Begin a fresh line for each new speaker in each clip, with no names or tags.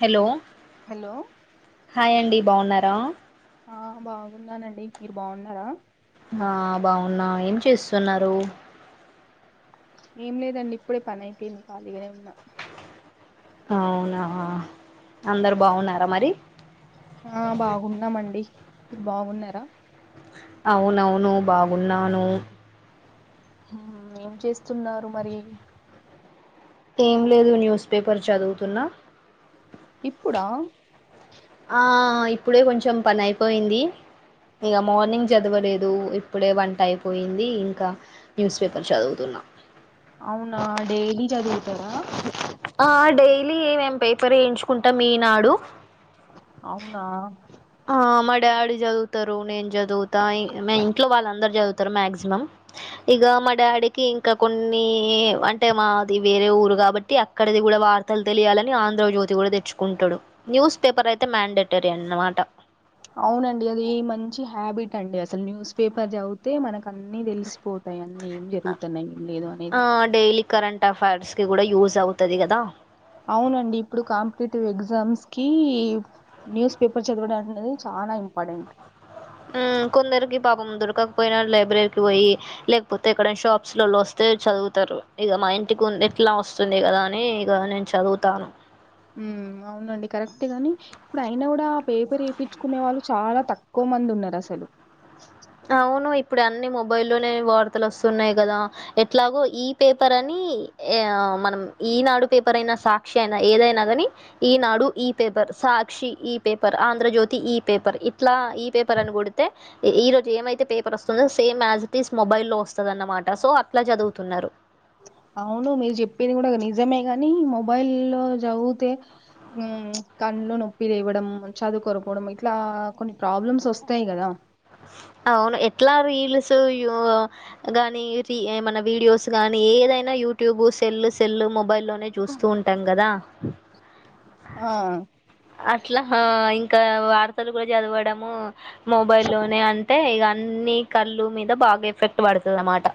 Hello
hello
hi అండి బాగున్నా రా
ఆ బాగున్నానండి మీరు బావున్నారా
ఆ బాగున్నా ఏం చేస్తున్నారు
ఏం లేదండి ఇప్పుడే పనైపోయింది ఖాళీగానే ఉన్నా
అవునా అందరు బాగున్నారా మరి
ఆ బాగున్నామండి మీరు బాగున్నారా
అవునవును బాగున్నాను
ఆ ఏం చేస్తున్నారు మరి
ఏం లేదు న్యూస్ పేపర్ చదువుతున్న
ఇప్పుడా
ఆ ఇప్పుడే కొంచెం పనైపోయింది ఇగ మార్నింగ్ చదవలేదు ఇప్పుడే వంట అయిపోయింది ఇంకా న్యూస్ పేపర్ చదువుతున్నా
అవును డైలీ చది
ఆ డైలీ ఏమేం పేపర్ ఏయించుకుంటాం ఈనాడు
అవునా
ఆ మా డాడీ చదువుతారు నేను చదువుతా మ ఇంట్లో వాళ్ళందరు చదు తారు మక్సిమం ఇక మా డాడీకి ఇంకా కొన్ని అంటే మాది వేరే ఊరు కాబట్టి అక్కడది కూడా వార్తలు తెలియాలని ఆంధ్ర జ్యోతి కూడా తెచ్చుకుంటాడు న్యూస్ పేపర్ అయితే మ్యాండేట్ రీ అన్నమాట
అవునండి అది మంచి హ్యాబిట్ అండి అసాల్ న్యూస్ పేపర్ చదివితే మనకు అన్ని తెలిసిపో తాయన్నీ ఏం జరుగుతున్నాయి ఏం లేదు అనేది
టాఫర్సకి కూడా యూజ్ అవుతది కదా
అవునండి ఇప్పుడు కాంపిటేటివ్ ఎగ్జామ్స్ కి న్యూస్ పేపర్ చదవడం అనేది చానా ఇంపార్టెంట్
ఆ కొందరికి పాపం దొరకపోయినా లైబ్రరీకి పోయి లేకపోతే ఎక్కడేనా షాప్స్ లొలోస్తే చదువుతారు ఇక మా ఇంటికి ఎట్లా వస్తుంది కదా అని ఇక నేన్ చదువుతాను
ఉ అవునండి కరెక్ట్ గాని ఇప్పుడు అయినా కూడా ఆ పేపర్ ఏపించ్చుకునే వాళ్ళు చాలా తక్కువ మంది ఉన్నారు అసలు
అవును. ఇప్పుడు అన్ని మొబైల్ లోనే వార్తలు వస్తున్నాయి కదా ఎట్లాగో ఈ పేపర్ అని మనం ఈనాడు పేపర్ అయినా సాక్షి అయినా ఏదైనా కాని ఈనాడు ఈ పేపర్ సాక్షి ఈ పేపర్ ఆంధ్రజ్యోతి ఈ పేపర్ ఇట్లా ఈ పేపర్ అని కొడితే ఈరోజు ఎమైతే పేపర్ వస్తుందో same as it is mobile లో వస్తుంద అన్నమాట సో అట్లా చదువుతున్నారు
అవును మీరు చెప్పేది కూడా ఒక నిజమే గాని మొబైల్ లో చదివితే హ్మ్ కన్లు నొప్పిలేవ్వడం చదువుకరపోవడం ఇట్లా కొన్ని ప్రాబ్లమ్స్ వస్తాయి కదా
అ అవును ఎట్లా రీల్స్ గాని ఎమన వీడియోస్ గానీ ఏదైనా యూట్యూబ్ సెల్ సెల్ మొబైల్లోనే చూస్తూ ఉంటాం కదా
ఆ
అట్లా ఇంకా వార్తలు కూడా చదవడము మొబై లోనే అంటే ఇగ అన్నిీ కళ్ళు మీద బాగా ఎఫెక్ట్ పడుతది అనమాట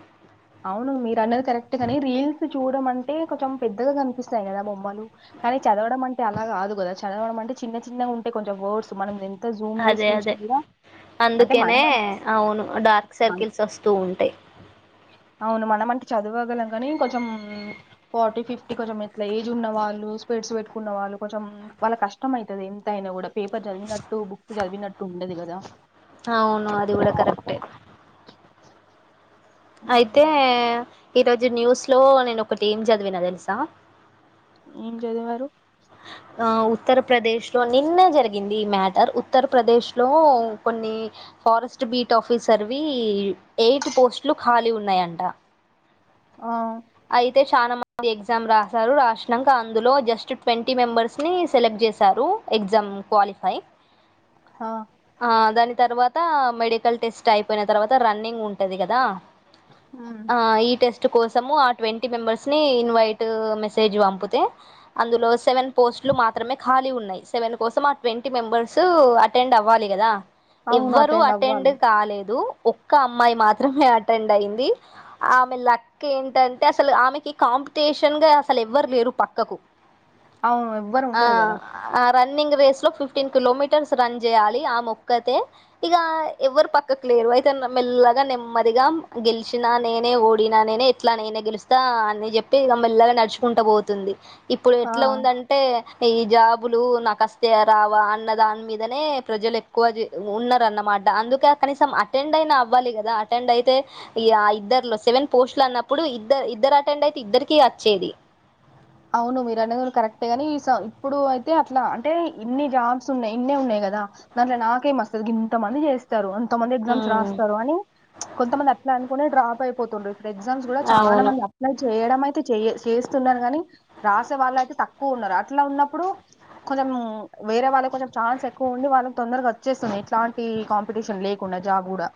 అవును మీరు అన్నది కరెక్ట్ ని రీల్స్ చూడడం అంటే కొంచెం పెద్దగా కనిపిస్తాయి కదా బొమ్మలు కానీ చదవడం అంటే అలా కాదు కదా చదవడం అంటే చిన్న చిన్నగా ఉంటే కొంచెం వర్డ్స్ మనం జూమ్ చేసి
అదే అదే
చూసినా కూడా అంటే
అందుకేనే
మనం అన్-
అవును డార్క్
మన
సర్కిల్స్ వస్తూ ఉంటాయి
అవును మనం అంటే చదువగలం కానీ కొంచెం ఫార్టీ ఫిఫ్టీ కొంచెం ఇట్లా ఏజ్ ఉన్న వాళ్ళు స్పెడ్స్ పెట్టుకున్న వాళ్ళు కొంచెం వాళ్ళక్ కష్టం అవుతది ఎంత అయినా కూడా పేపర్ చదివినట్టు బుక్స్ చదివినట్టు ఉండదు కదా
అవును అది కూడ కరెక్టే అయితే
మ్మ్.
ఈరోజు న్యూస్ లో నేను ఒకటీ ఎం చదివినా తెలుసా
ఏం చదిేవారు
ఉత్తరప్రదేశ్లో నిన్న జరిగింది మ్యాటర్ ఉత్తరప్రదేశ్లో కొన్ని ఫారెస్ట్ బీట్ ఆఫీసర్వి ఎయిట్ పోస్ట్లు ఖాళీ ఉన్నాయంట
ఆ
అయితే చాలా మంది ఎగ్జామ్ రాసారు రాసినాక అందులో జస్ట్ ట్వంటీ మెంబర్స్ ని సెలెక్ట్ చేశారు ఎగ్జామ్ క్వాలిఫై
ఆ
ఆ దాని తర్వత్ త మెడికల్ టెస్ట్ అయిపోయిన తర్వాత రన్నింగ్ ఉంటది కదా
మ్మ్.
ఆ ఈ టెస్ట్ కోసము ట్వీ మెంబర్స్ ఇన్వైట్ మెసేజ్ పంపితే అందులో సెవెన్ పోస్ట్లు మాత్రమే కా ఉన్నాయి సెవెన్ కోసం ఆ ట్వంటీ మెంబర్స్ అటెండ్ అవ్వాలి కదా
అవును
ఎవ్వరు అటెండ్
అవ్వాలి
కాలేదు ఒక్క అమ్మాయి మాత్రమే అటెండ్ అయింది ఆమె లక్ ఏంటం టే అసలు ఆమెకి కాంపిటీషన్ గా అసలు ఎవ్వరు లేరు పక్కకు
అవును ఎవ్వరు
ఆ
ఉండరు కదా
ఆ రన్నింగ్ రేస్ లో ఫిఫ్టీన్ కిలోమీటర్స్ రన్ చేయాలి ఆ మొక్కతే ఇగ ఎవరు పక్కకు లే ఎయితే మెల్లగా నెమ్మదిగా గెలిచినా నేనే ఓడినా నేనే ఎట్లా నేనే గెలు స్తా అని చెప్పి ఇ మెల్లగా నడుచుకుంట పోతుంది ఇప్పుడు
ఆ
ఎట్లా ఉందంటే ఈ జాబులు నాకస్తయ రావా అన్న దాని మీదనే ప్రజలు ఎక్కువ ఉన్నారన్నమ ట అందుకే కనీసం అటెండ్ అయినా అవ్వాలి కదా అటెండ్ అయితే ఇద్దరులో సెవెన్ పోస్ట్లు అన్నప్పుడు ఇద్ద ఇద్దరు అటెండ్ అయితే ఇద్దరికి వచ్చేది
అవును మీరు అనేది కరెక్ట్ గాని ఇప్పుడు అయితే అట్లా అంటే ఇన్ని జాబ్స్ ఉన్నాయి ఇన్నే ఉన్నాయిా క్ కదా దాంట్లో నాకే వస్తది గింత మంది చేస్తారు కొంతమంది ఎగ్జామ్స్ రాస్తారు అని కొంతమంది అట్లా అనుకుని డ్రాప్ అయిపోతుండ్రు ఎగ్జామ్స్ కూడా చాలా
అవును
మంది అప్లై చేయడం అయితే చెయ చేస్తున్నారు కాని రాసే వాళ్ళు అయితే తక్కువ ఉన్నారు అట్లా ఉన్నప్పుడు కొంచెం వేరే వాళ్ళ కొంచెం ఛాన్స్ ఎక్కువ ఉం వాళ్ళకి తొందరగా వచ్చేస్తుంది ఎట్లాంటి కాంపిటీషన్ లేకుండా జాబ్ కూడా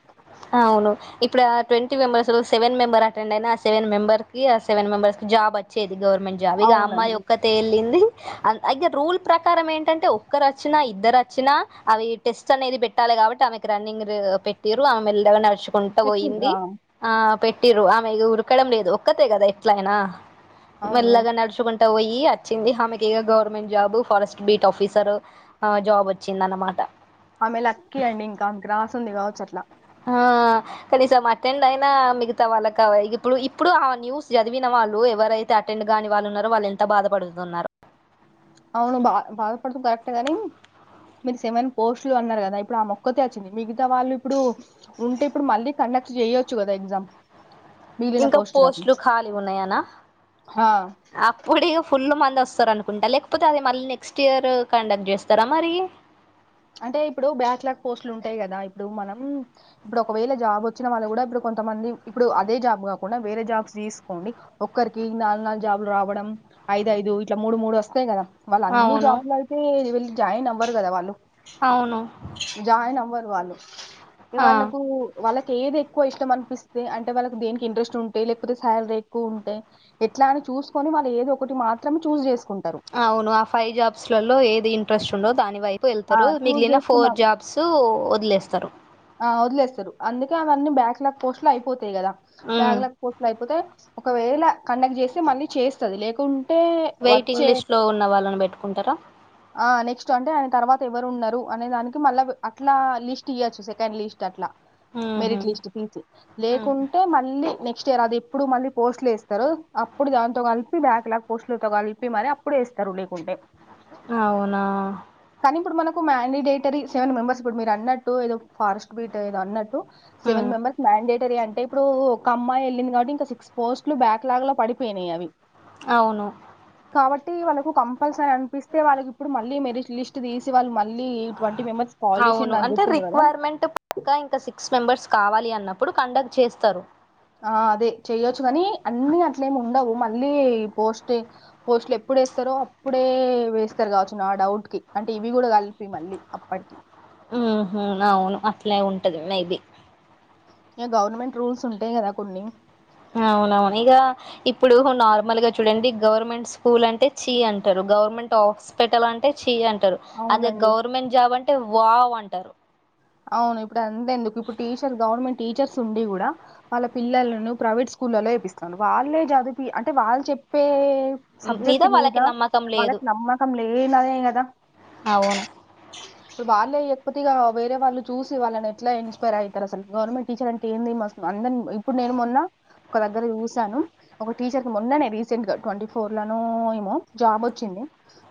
ట్వంటీ మెబర్స్ లో సెమెంబర్ అెండ్ అయి ఆ సె మెబర్ కి ఆె మెంబర్స్ కి జాబ్ వచ్చేది ది గవర్నమెంట్ జాబ్ ఇగ అ అమ్మాయి
అవునండి
ఒక్కతే వెళ్ళింది అ ఇగ రూల్ ప్రకారం ఏంటంటే ఒక్కరు వచ్చినా ఇద్దరు వచ్చినా అవి టెస్ట్ అనేది పెట్టాలే కాబట్టి ఆమెకి రన్నింగ్ పెట్టిరు ఆమె మెల్లగా నడుచుకుంటా పోయింది
పెట్టిండ్రా
ఆ పె రు ఆమె ఉరకడం లేదు ఒక్కతే కదా ఎట్లయినా
అవును
మెల్లగా నడుచుకుంటా పోయి వచ్చింది హమెకి government job forest beat officer job వచ్చింద అనమాట
ఆమె లక్కీ అండి ఇంకా గ్రాస్ ఉంది కావచ్చు అట్లా
ఆ కనీసం అటెండ్ అయినా మిగతా వాళ్ళ కావ ఇప్పుడు ఇప్పుడు ఆ న్యూస్ చదివిన వాళ్ళు ఎవరైతే అటెండ్ కాని వాళ్ళున్నారో వాళ్ళు ఎంత బాధపడుతున్నారు
అవును బా బాధపడుత కరెక్టేగాని మీరు సమైన పోస్ట్లు అన్నారు కదా ఇప్పుడు ఆ మొక్కతే వచ్చింది మిగతా వాళ్ళు ఇప్పుడు ఉంటే ఇప్పుడు మళ్ళీ చెయ్యచ్చు కదా ఎగ్జామ్ మిగిలిన
ఇంక
పోస్టులకి
పోస్ట్లు ఖాళీ ఉన్నాయనా
హా
అప్పుడు ఇగ ఫుల్ మ వస్తారునుకుంటా లేకపోతే అది మళ్ళీ నెక్స్ట్ ఇయర్ కండక్ట్ చేస్తారా మరి
అంటే ఇప్పుడు బ్యాక్లాగ్ పోస్ట్లు ఉంటాయి కదా ఇప్పుడు మనం ఇప్పుడు ఒకవేళ జాబ్ వచ్చిన వాళ్ళు కూడా ఇప్పుడు కొంతమంది ఇప్పుడు అదే జాబ్ కాకుండా వేరే జాబ్స్ తీసుకోండి ఒక్కరికి నాలు నాలుగు జాబ్లు రావడం ఐదు ఐదు ఇట్లా మూడు మూడు వస్తాయి కదా వాళ్ళు అన్ని
అవును.
జాబ్లు అయితేళ్ళి జాయి నవ్వర్ కదా వాళ్ళు
అవును.
జాయి నవ్వర్ వాళ్ళు
ఆ!
వాళ్ళకు వాళ్ళ ఏది ఎక్కువ ఇష్టం అనిపిస్తే అంటే వాళ్కి దేనికి ఇంట్రెస్ట్ ఉంటాయి లేకపోతే శాలరీ ఎక్కువ ఉంటయ్ ఎట్లా చూసుకొని వాళ్ళు ఏదో ఒకటి మాత్రం చూజ్ చేసుకుంటరు
లలో ఏది ఇంట్రెస్ట్ ఉండో దాని వైపు
ఆ
వెళ్తరు
చూస్
మిగిలిన
చేసుకున్న
ఫోర్ జాబ్స్ వదిలేస్తరు
ఆ వదిలేస్తారు అందుకే అవన్నీ బ్యాక్ లాగ్ పోస్ట్ లో అయిపోతాయి కదా
హ్మ్.
బ్యాక్ లాగ్ పోస్ట్ లో అయిపోతే ఒకవేళ కండక్ట్ చేస్తే మళ్ళీ చేస్తది లేకుం టే
వెయిటింగ్
వచ్చే
లిస్ట్‌లో ఉన్న వాళ్ళని బెట్టుకుంటారా?
నెక్స్ట్ అంటే తర్వాత ఎవరు ఉన్నరు అనే దానికి మళ్ళా అట్లా లిస్ట్ ఇయ్యచ్చు సెకండ్ లిస్ట్ అట్లా
హుహు.
మెరిట్ లిస్ట్ తీసి
హ్మ్.
లేకుంటే మళ్ళీ నెక్స్ట్ రు అది ఎప్పుడు మళ్ళ పోస్ట్లు వేస్తరో అప్పుడు దాంతో కలిపి బ్యాక్ లాగ్ పోస్టులతో కలిపి మరి అప్పుడు వేస్తరు రులేకుంటే
అవునా
కానీ ఇప్పుడు మనకు మ్యాండిడేటరీ సెవెన్ మెంబర్స్ ఇప్పుడు మీరు అన్నట్టు ఏదో ఫారెస్ట్ బీట్ ఏదో అన్నట్టు
హ్మ్.
సెవెన్ మెంబర్స్ మ్యాండే అంటే ఇప్పుడు ఒక అమ్మాయి వెళ్ళింది కాబట్టి ఇంకా సిక్స్ పోస్ట్లు బ్యాక్లాగ్ లో పడిపోయినాయి అవి
అవును
కాబట్టి వాళ్ళకు కంపల్సరీ అనిపిస్తే వాళ్ళకి ఇప్పుడు మళ్ళీ మెరిట్ లిస్ట్ తీసి వాళ్ళ మ
అవును అంటే
చెప్పారు కదా
రిక్వైర్మెంట్ పక్క ఇంకా సిక్స్ మెంబర్స్ కావాలి అన్నం ఇప్పుడు కండక్ట్ చేస్తారు
ఆ అదే చెయొచ్చు కాని అన్ని అట్లేమి ఉండవు మళ్ళీ పోస్ట్ పోస్ట్లు ఎప్పు ఇప్పుడ వేస్తారో అప్పుడే వేస్తరు కావచ్చు నా డౌట్ కి అంటే ఇవి కూడా కలిపి మళ్ళీ అప్పటికి
ఉహు అవును అట్లే ఉంటది ఇది
మీ గవర్నమెంట్ రూల్స్ ఉంటాయి కదా కొన్ని
అవునవును ఇగ ఇప్పుడు నార్మల్ గా చూడండి గవర్నమెంట్ స్కూల్ అంటే చీ అంటరు గవర్నమెంట్ హాస్పిటల్ అంటే చెయ్యం అదే
అవునండి
గవర్నమెంట్ జాబ్ అంటే వావ్ అంటారు
అవును ఇప్పుడు అంతే ఎందుకు ఇప్పుడు టీచర్ గవర్నమెంట్ టీచర్స్ ఉండి కూడా వాళ్ళ పిల్లలలను ప్రైవేట్ స్కూల్లల్లో ఏపీస్తన్నారు వాళ్ళే చదుపి అంటే వాళ్ళు చె చెప్పే
మ్,
సబ్జెక్ట్ మీద
వాళ్ళకి నమ్మకం
వాళ్ళకి నమ్మకం లేనదే కదా
ఆవును
అ బార్లేయే వేరే వాళ్ళు చూసి వాళ్ళని ఎట్ల ఇన్స్పైర్ అయితర్ అసల్ గవర్నమెంట్ టీచర్ అంటే ఏంది మస్తు అందర్న్ ఇప్పుడు నేను మొన్న ఒక దగ్గర చూసాను ఒక టీచర్కి మొన్ననే రీసెంట్గ ట్వంటీ ఫోర్లనో ఏమో జాబ్ వచ్చింది.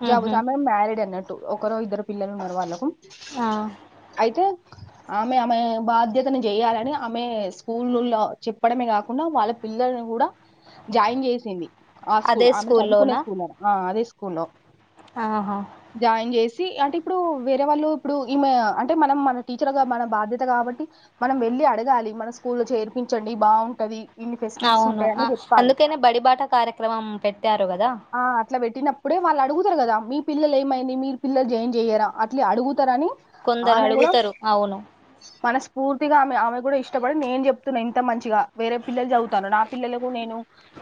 జాబు
ఉహు
సమయం మ్యారీడ్ అన్నట్టు ఒకరో ఇద్దరో పిల్లలున్నరు వాళ్ళలకు
ఆ
తేక్ ఆమె ఆమె బాధ్యతను చేయాలని ఆమె స్కూలుల్ల చెప్పడమే కాకుండా వాళ్ళ పిల్లల్ని గూడా జాయిన్ చేసింది. ఆ స్కూల్
అదే
ఆమె చదువుకునే
స్కూల్లోనా
స్కూల్లోనే ఆ అదే స్కూల్లో
ఆహా
జాయిన్ చేసి అంటే ఇప్పుడూ వేరే వాళ్ళు ఇప్పుడు ఈమె అం అంటే మనం మన టీచర్గా మన బాధ్యత కాబట్టి మనం వెళ్ళి అడగాలి మన స్కూల్లో చేర్పించండి బాగుంటది ఇన్ని ఫెసిలిటీస్
అవును
ఉంటాయని
ఆ,
చెప్పాలి.
అందుకనే బడిబాట కార్యక్రమం పెట్టారు కదా
ఆ అట్ల పెట్టినప్పుడే వాళ్ళు అడుగుతరు కదా మీ పిల్లల్ ఏమైంది మీరు పిల్లల్ జాయిన్ చేయరా అట్లే అడుగుతరని
కొందరు
ఆమె గుడం
అడుగుతారు అవును
మనస్ఫూర్ తిగా ఆమె ఆమె కూడా ఇష్టపడి నేన్ చెప్తున్నా ఇంత మంచిగా వేరే పిల్లల్ చదువుతాంరు నా పిల్లలకు నేను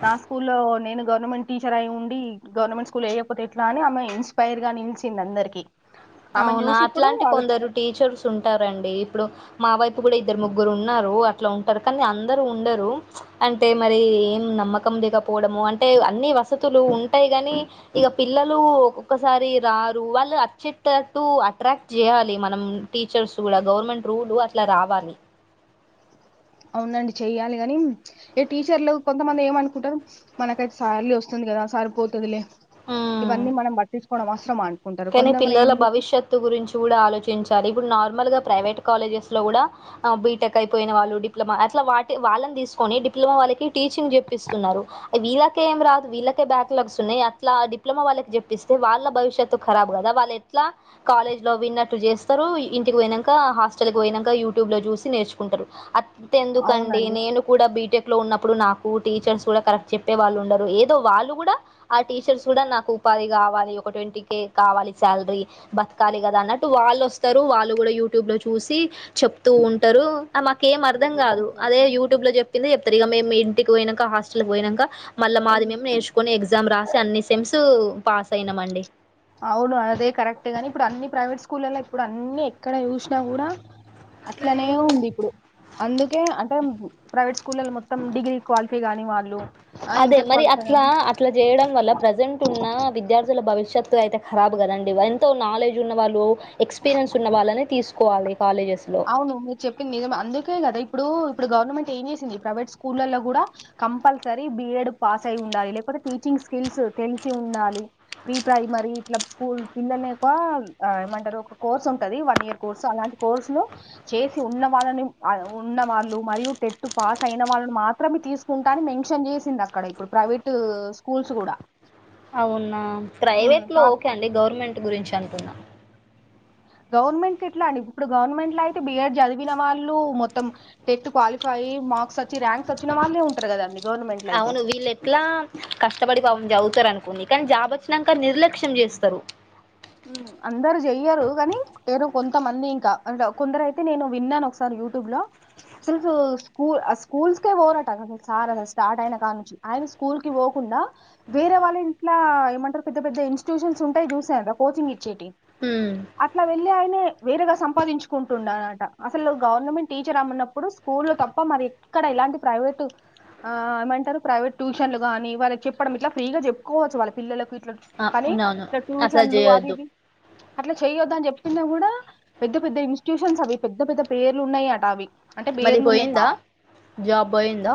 నా స్కూల్లో నేను గవర్నమెంట్ టీచర్ అయి ఉండి గవర్నమెంట్ స్కూల్ ఏయకపోతే ఎట్లా అని ఆమె ఇన్స్పైర్గా నిల్చిం అందర్కి
అవునా అట్లాంటి కొందరు టీచర్స్ ఉంటారండి ఇప్పుడు మా వైపు కూడా ఇద్దర్ ముగ్గురున్నారు అట్ల ఉంటర్ కనీ అందరూ ఉండర్ అంటే మరి ఏం నమ్మకం లేకపోవడమో అంటే అన్ని వసతులు ఉంటాయి గనీ ఇగ పిల్లలు ఒక్కొక్కసారి రారు వాళ్ళు అచ్చే టట్టు అట్రాక్ట్ చేయాలి మనం టీచర్స్ కూడా గవర్నమెంట్ రూలు అట్ల రావాలి.
అవునండి చేయాలి గని ఇగ టీచర్లు కొంతమంది ఏమనుకుంటరు మనకైతే సాలరీ వస్తుం ది కదా సరిపోతదిలే ఇవన్నీ మనం పట్టించుకోడం అవసరమా అం
కనీ పిల్లల భవిష్యత్తు గురించి కూడా ఆలోచించాలి ఇప్పుడు నార్మల్గా ప్రైవేట్ కాలేజెస్లో కూడా ఆ బీటెక్ అయిపోయిన వాళ్ళు డిప్లొమా అట్ల వాటి వాళ్ళన్ తీస్కోని డిప్లొమా వాళ్ళకి టీచింగ్ చెప్పిస్తున్నరు. వీళ్ళకే ఏం రాదు వీళ్ళకే బ్యాక్లాగ్స్ ఉన్నయి అట్లా ఆ డిప్లొమా వాళ్ళకి చెప్పిస్తే వాళ్ళ భవిష్యత్ త్తు కరాబ్ కదా వాళ్ళెట్లా కాలజ్లో విన్నట్టు చేస్తరు ఇంటి పోయినంక హాస్టల్కి పోయినంక యూట్యూబ్లో చూసి నేర్చుకుంటరు. అంతెందుకండి
అవునండి
నేను కూడా బీటెక్లో ఉన్నప్పుడు నాకు టీచర్స్ గుడా కరెక్ట్ చెప్ చెప్పే వాళ్లుండరు ఏదో వాళ్ళు గుడా ఆ టీచర్స్ కూడా నాకు ఉపాధి కావాలి ఒక ట్వంటీ కే కావాలి శాలరీ బతకాలి కదా అన్నట్టు వాళ్ళొస్తరు వాళ్ళు గుడా యూట్యూబ్లో చూసి చెప్ తూ ఉంటరు. ఆ మాకేం అర్థం గాదు అదే యూట్యూబ్లో చెప్పిందే చెప్తర్ ఇగ మేం మీ ఇంటికి పోయినంక హాస్టల్క్ పోయినంక మళ్ళ మాది మేం నేర్చుకొని ఎగ్జామ్ రాసి అన్ని సెమ్స్ పాస్ అయినమండి.
అవును అదే కరెక్టే గాని ఇప్పుడు అన్ని ప్రైవేట్ స్కూలల్ల ఇప్పుడు అన్నీ ఎక్కడ చూసినా కూడా అట్లనే ఉంది ఇప్పుడు అందుకే అంటే ప్రైవేట్ స్కూలల్ల మొత్తం డిగ్రీ క్వాలిఫై గాని వాళ్ళు ఆ
అదే
ఇంటర్
మరి
క్వాలిఫై
అట్లా
గాని
అట్ల చేయడం వల్ల ప్రజెంట్ ఉన్నా విద్యార్థుల భవిష్యత్తు అయితే ఖరాబ్ కదండి. ఎంతో నాలెడ్జ్ ఉన్న వాళ్ళు ఎక్స్పీరియన్స్ ఉన్న వాళ్ళని తీస్కోవాలి.
అవును మీర్ చెప్పింది నిజమే అందుకే కదా ఇప్పుడూ ఇప్పుడు గవర్నమెంట్ ఏం చేసింది ప్రైవేట్ స్కూలల్ల గుడా కంపల్సరీ బిఎడ్ పాస్ అయి ఉండాలి లేకపోతే టీచింగ్ స్కిల్స్ తెలిసి ఉండాలి. ప్రీ ప్రైమరీ ఇట్ల స్కూల్ పిల్లల్ని ఒకా ఆ ఏమంటరు ఒక కోర్స్ ఉంటది వన్ ఇయర్ కోర్స్ అలాంటి కోర్స్లో చేసి ఉన్న వాళ్ళని ఉన్న వాళ్ళు మరియు టెట్టు పాస్ అయిన వాళ్ళని మాత్రమే తీసుకుంటా అని మెన్షన్ చేసింది అక్కడ ఇప్పుడు ప్రైవేట్ స్కూల్స్ కూడా
అవునా ప్రైవేట్ లో
ఉమ్,
ఓకే అండి గవర్నమెంట్ గురించి అంటున్న
గవర్నమెంట్ ఎట్లా అండి ఇప్పుడు గవర్నమెంట్ లో అయితే బిఎడ్ చదివిన వాళ్ళ మొత్తం టెట్ క్వాలిఫై అయ్ మార్క్స్ వచ్చి ర్యాంక్స్ వచ్చిన వాళ్ళే ఉంటారు కదండి గవర్నమెంట్ లో అయితే
అవును వీళ్ళ ఎట్లా కష్టపడి పాపం జవ్ తరనుకో కని జాబ్ వచ్చినాక నిర్లక్ష్యం చేస్తారు
అందరు చెయ్యరు కానీ ఎవరో కొంతమంది ఇంకా కొందరు అయితే నేను విన్నాను ఒకసారి యూట్యూబ్ లో అసలు స్కూల్ స్కూల్స్కే పోరాట అస సార్ అసలు స్టార్ట్ అయిన కా నించి స్కూల్ కి పోకుండా వేరే వాళ్ళ ఇంట్లా ఏమంటారు పెద్ద పెద్ద ఇన్స్టిట్యూషన్స్ ఉంటాయి చూసారా కోచింగ్ ఇచ్చేటియి
హ్మ్
అట్లా వెళ్ళి ఆయనే వేరేగా సంపాదించుకుంటుండనట అసలు గవర్నమెంట్ టీచర్ అమ్మన్నప్పుడు స్కూల్ లో తప్ప మరి ఎక్కడ ఇలాంటి ప్రై వెటు ఆ ఏమంటారు ప్రైవేట్ ట్యూషన్లుగాని వాళ్ళకి చెప్పడం ఇట్లా ఫ్రీగా చెప్పుకోవచ్చు వాళ్ళ పిల్లలకు
ఆ,
కానీ
అవునవును
ఇ
అట్లా
ట్యూషన్లు అది
చేయొద్దు
ఇది అట్లా చెయొద్ద అని చెప్ ప్పిన కూడా పెద్ద పెద్ద ఇన్స్టిట్యూషన్స్ అవి పెద్ద పెద్ద పేర్లు ఉన్నాయి అట అవి అంటే
మరి
పేర్లు ఉన్నాయి
పోయిందా జాబ్ పోయిందా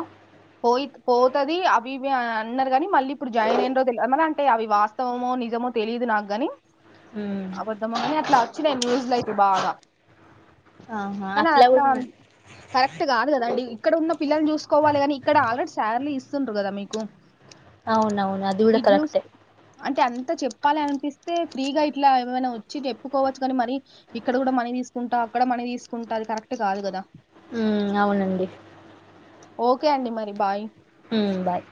పోయిత్ పోతది అవి ఇవి అని అన్నారు గాని మళ్ళీ ఇప్పుడు జాయిన్ అయిన్రో తెల్ మర అంటే అవి వాస్తవమో నిజమో తెలిదు నాకు గాని
హ్మ్
అబద్ధమని అట్లా అచ్చినాయి న్యూస్లయితే బాగా
ఆహా
అనా అట్లా
కూడా
కరెక్ట్ కాదు కదండి ఇక్కడ ఉన్న పిల్లల్ని చూసుకోవాలి గాని ఇక్కడ ఆల్రెడీ శాలరీ ఇస్తుండ్డులు కదా మీకు
అవునవును అది కూడా
ఇడ్ చుస్
కరెక్టే
అంటే అం అంటే చెప్పాలి అనిపిస్తే ఫ్రీగా ఇట్లా ఏమైనా వచ్చి చెప్పుకోవచ్చు గని మరి ఇక్కడ కూడా మనీ తీసుకుంటా అక్కడ మనీ తీసుకుంటది కరెక్ట్ కాదు కదా
ఉ అవునండి
ఓకే అండి మరి బాయ్
హ్మ్ బాయ్